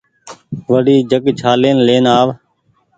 وڙي جگ ڇآلين لين آو